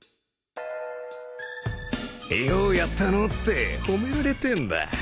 「ようやったのう」って褒められてえんだ。